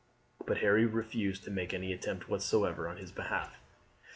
But Harry refused to make any attempt whatever on his behalf.